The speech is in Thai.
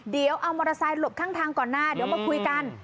เดี๋ยวเอามอเตอร์ไซค์หลบข้างทางก่อนหน้าเดี๋ยวมาคุยกัน